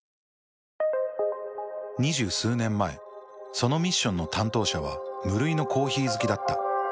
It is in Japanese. ２０数年前そのミッションの担当者は無類のコーヒー好きだった。